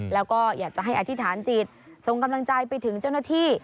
แล้วก็อยากจะให้อธิษฐานจิตส่งกำลังใจไปถึงเจ้าหน้าที่